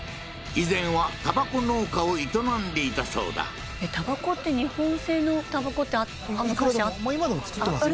以前はタバコ農家を営んでいたそうだタバコって日本製のタバコって昔今でも作ってますよ